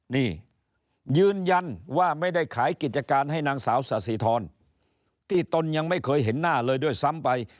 นี่ยืนยันว่าไม่ได้ขายกิจการให้นางสาวสาธิธรที่ตนยังไม่เคยเห็นหน้าเลยด้วยซ้ำไป